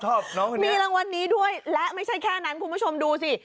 มีรางวัลนี้ด้วยและไม่ใช่แค่นั้นคุณผู้ชมดูสิ